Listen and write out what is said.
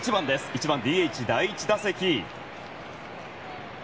１番ＤＨ、第１打席。